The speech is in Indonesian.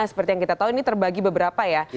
seperti yang kita tahu ini terbagi beberapa ya